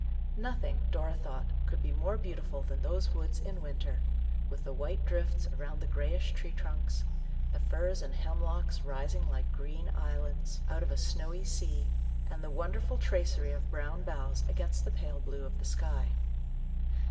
Nothing, Dora thought, could be more beautiful than those woods in winter, with the white drifts around the grayish tree trunks, the firs and hemlocks rising like green islands out of a 99 ioo Our Little Canadian Cousin snowy sea, and the wonderful tracery of brown boughs against the pale blue of the sky.